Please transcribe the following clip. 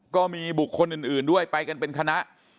ก็มีบุคคลอื่นด้วยไปกันเป็นคณะ